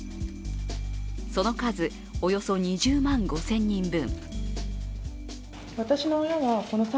その数、およそ２０万５０００人分。